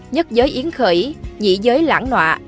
nhất giới yến khởi nhị giới lãng nọa